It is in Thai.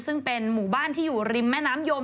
ซึ่งเป็นหมู่บ้านที่อยู่ริมแม่น้ำยม